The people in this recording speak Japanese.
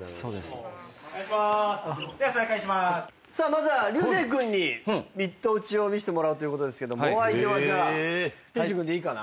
まずは流星君にミット打ちを見せてもらうということですけどお相手は天心君でいいかな？